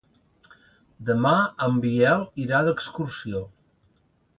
Demà en Biel irà d'excursió.